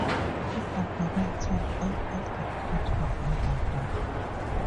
He operated out of the Port of Liverpool.